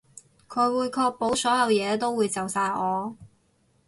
佢會確保所有嘢都會就晒我